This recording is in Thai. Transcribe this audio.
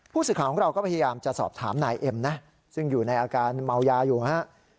ผู้สื่อข่าวของเราก็พยายามจะสอบถามนายเอ็มนะซึ่งอยู่ในอาการเมายาอยู่ฮะ